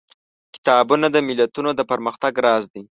کتابونه د ملتونو د پرمختګ راز دي.